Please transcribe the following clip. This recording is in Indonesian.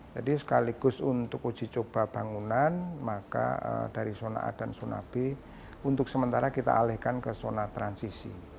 jadi sekaligus untuk uji coba bangunan maka dari zona a dan zona b untuk sementara kita alehkan ke zona transisi